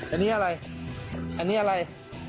อันนี้อะไรอันนี้อะไร